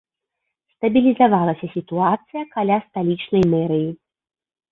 Стабілізавалася сітуацыя каля сталічнай мэрыі.